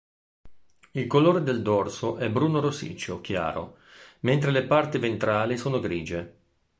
Il colore del dorso è bruno-rossiccio chiaro, mentre le parti ventrali sono grigie.